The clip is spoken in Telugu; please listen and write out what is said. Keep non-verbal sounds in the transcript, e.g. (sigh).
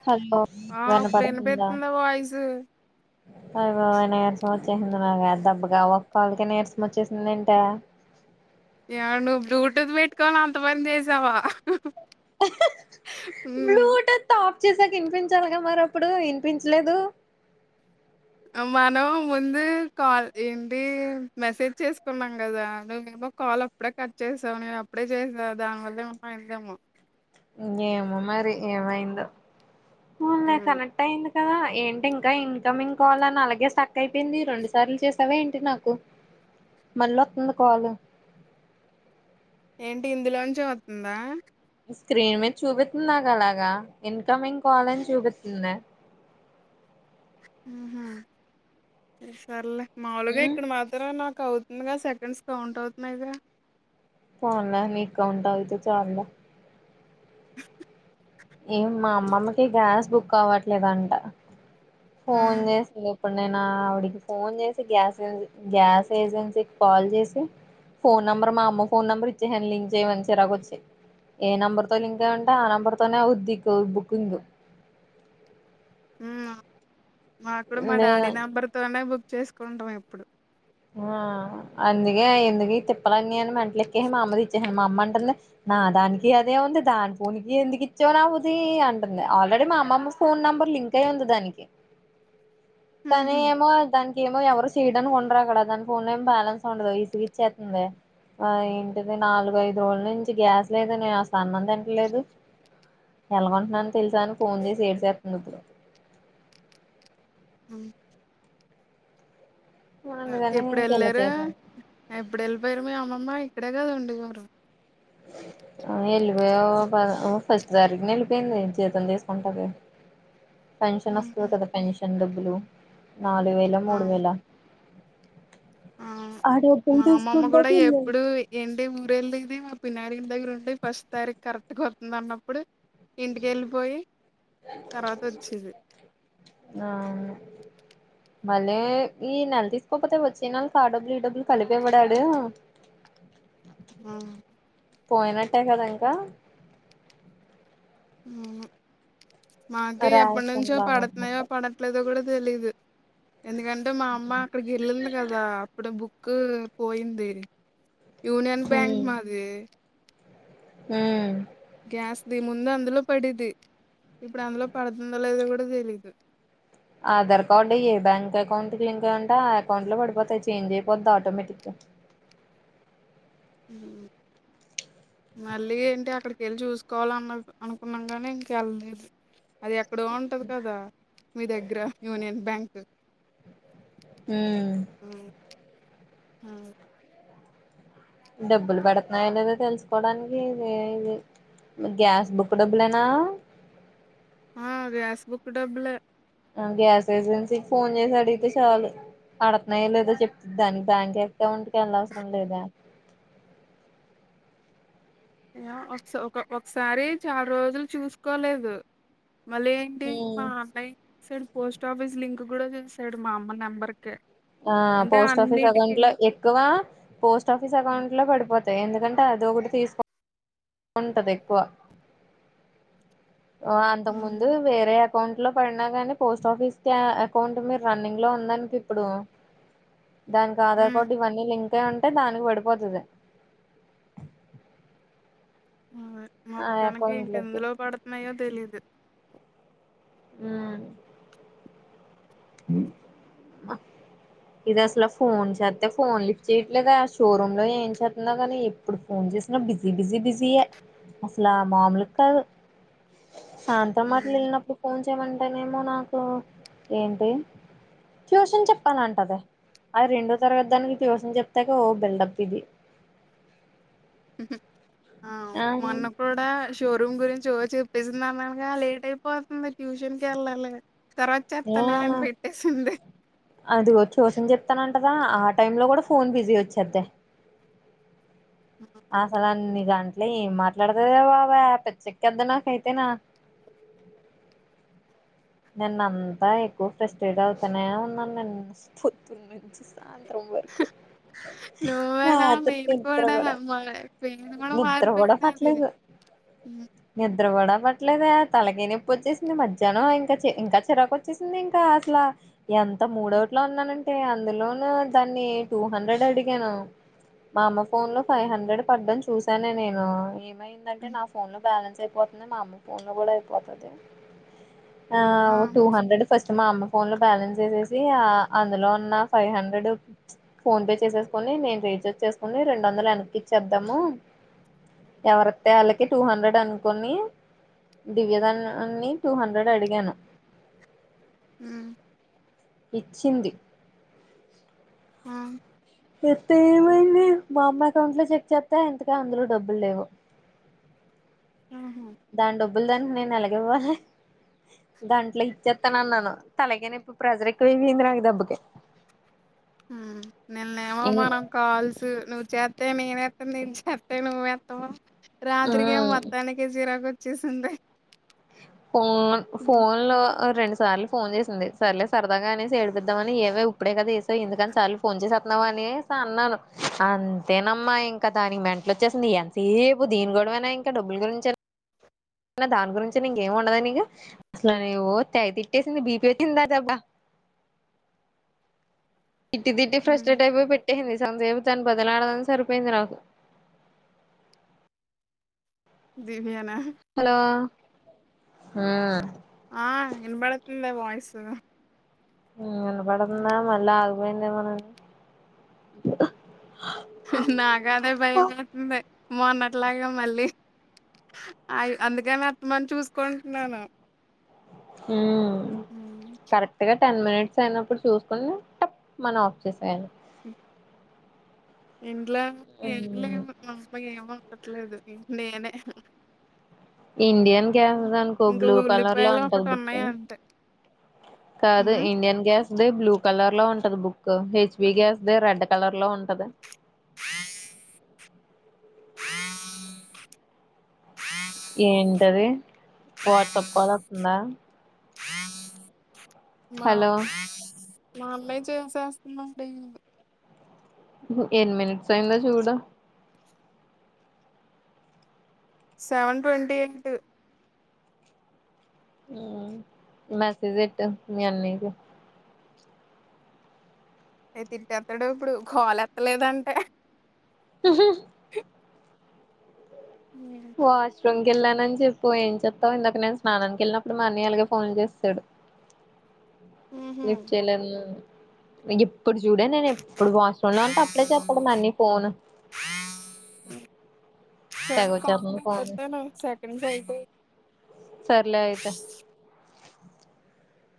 హలో ఆ ఇప్పుడు వినాపడతుందా వినపెతుందా వాయిసు అదిగో నీరసం వచ్చేసింది నాగా దెబ్బగా ఒ కాళ్ళకి నీరసం వచ్చేసింది ఏంటె ఇ నువ్వు బ్లూటూత్ పెట్టుకని అంత పని చేసావా మ్మ్ వచ్చేసాక వినిపించాలిగా మరి అప్పుడు వినిపించలేదు మనం ముందు కాల్ ఏంటి మెసేజ్ చేసుకున్నాం కదా నువ కాలు అప్పుడే కట్ చేసావు నేను అప్పుడే చేసావు దానివల్లే ఏమన్నా పోయింది ఏమో ఏమో మరి ఏమైందో అన్లే హ్మ్. కనెక్ట్ అయింది కద ఏంటి ఇంకా ఇన్కమింగ్ కాల్ అని అలాగే సక్ అయిపోయింది రెండు సార్లు చేసావా ఏంటి నాకు మళ్ళ వస్తుంది కాల్ ఏంటి ఇందులోనుంచే వేస్తుందా స్క్రీన్ మీద చూపిస్తుందిక అలాగా ఇన్కమింగ్ కాల్ లని చూపిస్తుంది ఆహ సర్లే మాములుగా ఇక్కడ మాత్రమే నాకు అవుతుంది క సెకండ్స్ కౌంట్ అవుతున్నాయిద చాలలా మీ అకా కౌంట్ అవితే చాలలా ఏం మా అమ్మమ్మకి గ్యాస్ బుక్ అవట్లేదంట ఫోన్ హ్మ్. చేసింది ఇప్పుడు నేను ఆవిడికి ఫోన్ చేసి గ్యాస్ గ్యాస్ ఏజెన్సీకి కాల్ చేసి ఫోన్ ఆమ్మామ్మ ఫోన్ నంబర్ ఇలింక్ చేయమని ఇచెస ఏ నెంబర్ తో లింక్ అయ్య ఉంటే ఆ నెంబర్ తనే ఉది బుక్ ఇంగ్ మాకుడు మా నే డాడీ నెంబర్ తోనే బుక్ చేసుకుంటాం ఎప్పుడు ఆ అందుకే ఎందుకు తోపాలు అని మెంటల్ ఎక్కేసి మా అమ్మది ఇచ్చేసాను మా అమ్మ అంటుంది నా దానికి అదే ఉంది దాని ఫోన్ క ఎందుకు ఇచ్చేవా నా ఉది అంటుంది ఆల్రెడీ మా అమ్మమ్మ ఫోన్ నెంబర్ లింక్ అయ్య ఉంది దానికి కానీ హుహు. ఏమో దానికి ఏమో ఎవరు చేయడానికి ఉండరు అా ఫోన్ం బాలన్స్ ఉండదవు ఇసి విచ్చతుంద ఆ ఏంటిది నాలుగఐదు రోజుల నుంచి గ్యాస్ లేదు నేను ఎలాగా అన్నం తంటలేదు ఎలాగంటున్నాను తెలిసాను ఫోన్ చేసి ఏడ్ చేస్తుంది ఇప్పుడు అ అందుకని ఎప్పుడు ఇంక ఇలా వెళ్ళారు చేశాను ఎప్పుడు వెళ్ళిపోయారు మీ అమ్మమ్మ ఇక్కడే కద ఉండి చరు వెళ్ళిపోయా ఫస్ట్ తారీఖుని వెళ్ళిపోయింది జీతం తీసుకుంటది పెన్షన్ హుహు. వస్తుంది కదా పెన్షన్ డబ్బులు నాలుగు వేల ఆ! మూడు వేల ఆ డబ్బులు మా అమ్మమ్మ కూడా తీసుకుంటాకి వెళ్ళింది ఎప్పుడు ఏంటి ఊర వెళ్ళది మా పిన్నారికి దగ్గర ఉంటే ఫస్ట్ తారీఖ కరెక్ట్గా వతుంది అన్నప్పుడు ఇంటికి వెళ్ళిపోయి ఆ మళ్ళీ ఈ నెల తీసుకోపోతే వచ్చే నలకి ఆ డబ్బులు ఈ డబ్బులు కలిపవడాడు ఆ పోయినట్టే కదా ఇంకా మాకు ఎప్పటి రేషన్ నుంచో లాగా పడుతున్నాయో అనమాట పడట్లేదో కూడా తెలీదు ఎందుకంటే మా అమ్మ అక్కడి గెళ్లింది కదా అప్పుడే బుక్ పోయింది యూనియన్ బ్యాంక్ మాది హ గ్యాస్ముందు అందులో పడిేది ఇప్పుడు అందులో పడుతుందో లేద కూడా తెలీదు ఆధార్ కార్డు ఏ బ్యాంక్ అకౌంట్కి లింక్ అయ్య అంటే ఆ అకౌంట్ లో పడిపోతాయి చేంజ్ అయిపోతుద్ది ఆటోమేటిక్ గా అ మళ్ళీ ఏంటి అక్కడికి వెళ్ళి చూసుకోవాలన్న అనుకున్నాం నీ ఇంకెళ్ళలేదు అది ఎక్కడో ఉంటది కదా మీ దగ్గర యూనియన్ బ్యాంక్ ఆ హ డబ్బులు పడుతున్నాయా లేదా తెలుసుకోవడానికి ఇది ఇది గ్యాస్ బుక్ డబ్బులనా ఆ గ్యాస్ బుక్ డబ్బులు గ్యాస్ ఏజెసకి ఫోన్ చేసడితే చాల పాడుతున్నాయ లేదో చెప్తు దాని బ్యాంక్ అకౌంట్ క వెళ్ళ అవసరం లేదా ఒక ఒకసారి చాలా రోజులు చూసుకోలేదు మళ్ళీ ఏంటి హ్మ్ మా online side post office link కూడా చేస్తాడు మా అమ్మ నెంబర్క ఆ పోస్ట్ ఆఫీస్ అకౌంట్ లో ఎక్కువ పోస్ట్ ఆఫీస్ అకౌంట్ లో పడిపోథాయ్ ఎందుకంటే అదోక్కటి తీసుకోవ ఉంటది ఎక్కువ ఆ అంతకు ముందు ఉమ్ వేరే అకౌంట్ లో పడినా గాని పోస్ట్ ఆఫీస్ కే అకౌంట్ మీరు రన్నింగ్ లో ఉందనికి ఇప్పుడు దానికి ఆధార్ ఉమ్ కార్డు ఇవన్నీ లింక్ అయ్ ఉంటాయి దానికి పడిపోతుంది మొత్తానికి అకౌంట్ లోకి ఇంకెందులో పడుతున్నాయో తెలీదు హ్మ్ మ్ ఇది అసలు ఫోన్ చేస్తతే ఫోన్ లిఫ్ట్ చేయట్లేదు ఆ షోరూమ్ లో ఏం చేస్తుంద కానీ ఇప్పుడు ఫోన్ జెస్నా బిజీ బిజీ బిజీయే అసలా మామలు కాదు సంతా మార్ట్ లు వెళ్ళినప్పుడు ఫోన్ చేయమంటేనేమో నాకు ఏంటి ట్యూషన్ చెప్పాలంటది ఆ రెండో తరగతి దానికి ట్యూషన్ చెప్తాకి ఓ బిల్డప్ ఇది ఆ మొన్న కూడా షోరూమ్ గురించి ఓ చెప్పేసింది అన్ననగా లేట్ అయిపోతుంది ట్యూషన్కి వెళ్ళాలి ఆ అదిగో ట్యూషన్ చెప్తానం కదా ఆ టైమ్ లో కూడా ఫోన్ బిజీ వచ్చది అసలు అన్నీ దాంట్లో ఏం మాట్లాడుతదే బాబ పిచ్చ ఎక్కేతద్ది నాకైతేను నిన్న అంతా ఎక్కువ ఫ్రస్టేట్ అవుతనే ఉన్నాను నేను పొద్దుటి నుండి సాయంత్రం ఫ్రం వర్క్ నువ్వేనా నేను కూడా మా పపేరు కూడా నిద్ర కూడా మారిపోయింది నా ది అ నిద్దర కూడా పట్లేదే తలకాయనొప్పి వచ్చేసింది మధ్యాహ్నం ఇంక ఇంకా చిరాకు వచ్చేసింది ఇంకా అసలా ఎంత మూడౌట్లో ఉన్నానంటే అందులోనూ దాన్ని ని టూ హండ్రెడ్ అడిగాను మా అమ్మ ఫోన్ లో ఫైవ్ హండ్రెడ్ పడ్డం చూశానే నేను ఏమైందంటే హ్మ్. నా ఫోన్ లో బ్యాలెన్స్ అయిపోతుంది మా అమ్మ ఫోన్ లో కూడా అయిపోతది ఆ! ఆఓ టూ హండ్రెడ్ ఫస్ట్ మా అమ్మ ఫోన్ లో బ్యాలెన్స్ వేసేసి అందులో ఉన్న ఫైవ్ హండ్రెడ్ ఫోన్ పే చేసేసుకొని నేను రీచార్జ్ చేసుకుని రెండు వందలు వెనకిచ్చేద్దాము ఎవరిత్తే వాళ్ళకి టూ హండ్రెడ్ అనుకని దివ్యధనాన్ని టూ హండ్రెడ్ అడిగాను హ్మ్ ఇచ్చింది ఆ! ఇస్తే ఏమైంది మా అమ్మ అకౌంట్ లో చెక్ చేత్తే ఇంతకీ అందులో డబ్బులు లేవు ఆ దాని డబ్బులు దానికి నేను ఎలాగివ్వాలి గంటలో ఇచ్చేత్తనన్నాను తలకాయ నొప్పి ప్రెజర్ ఎక్కువ అయిపోయింది నాకు దెబ్బకి నిన్న ఏమో మనం కాల్సు నువ్వు చేత్ తే నేను ఎత్తాను నేన్ చెత్త నువ్వెత్తావు రాత్రికి ఏం ఇం మొత్తానికి చిరాకు వచ్చేసింది ఫోన్ ఫోన్లో ఓ రెండు సార్లు ఫోన్ చేసింది సర్లే సరదాగా అనేసి ఏడ్పిద్దామని, ఏవే విప్పుడే కద చేశావ్ ఎందుకు అన్ని సార్లు ఫోన్ చేసావ్ చేత్నావ్ అనేసి అన్నాను అంతేనమ్మా ఇంకా దానికి మెంటల్ వచ్చేసింది, ఎంతసేపు దీని గొడవైనా ఇంకా డబ్బుల గురించి దాని గురించేనా ఇంక ఏం ఉండదా నీకు అస్సలు అని ఓ తెగ తిట్టేసింది బీపీ వచ్చిందిదటబ్బా తిట్టి తిట్టి హ్మ్. ఫ్రస్టేట్ ఐపోయి పెట్టేసింది (unintelligible) తనని బతిమలాడానికే సరిపోయింది నాకు బిరియాన హలో ఆ వినపడు ఉందే వాయిస్ ఉ వినపడుతుందా మల్ల ఆగిపోయిందేమో అని హుహు నాకు అదే భయం వేసింది మొన్నట్లాగా మళ్లీ అయ్యి అందుకని అర్థమని చూసుకుంటున్నాను యూ హ్మ్. కరెక్ట్ గా టెన్ మినిట్స్ అయినప్పుడు చూసుకుని టప్మని ఆఫ్ చేశాను ఇంట్లో ఏమి లేవు మా అమ్మ ఏం వండట్లేదు నేనే హాహా ఇండియన్ గ్యాస్ అనుకో ఇంక బ్లూ కలర్ లో ఉల్లిపాయలు ఉంటది బుక్ ఒకటున్నాయి కు అంతే. కాదు హ్మ్. ఇండియన్ గ్యాస్ ది బ్లూ కలర్ లో ఉంటది బుక్కు హెచ్పీ గ్యాస్ ది రెడ్ కలర్ లో ఉంటది హ ఆ ఏంటది వాట్సాప్ కాల్ వస్తుందా మావ్ హలో మా అమ్మే చేసేస్తువుంది అండి ఉహు ఎన్ని మినిట్స్ అయ్యిందో చూడు సెవెన్ ట్వంటీ ఎయిట్ ఊ మెసేజ్ ఎట్టు మీ అన్నయ్యకి. ఏ తిట్టేతాడు ఇప్పుడు కాల్ ఎత్తలేదంటే ఉహు మే (unintelligible) వెళ్లానని చెప్పు ఏం చెప్తావు ఇందాక నేను స్నానానికి వెళ్ళినప్పుడు మా అన్నయ్య అలాగే ఫోన్ చేశాడు హుహు. లిఫ్ట్ చేయలేన్ గిప్ ఇప్పుడు చూడండి నేను ఇప్పుడు వాష్రూమ్ లో ఉంటే అప్పుడే చేస్తాడు మా అన్నయ్య ఫోన్ తెగ సెవెన్ వచ్చేస్తుంది ఫోన్ (unintelligible) సెకండ్ సైటు సర్లే అయితే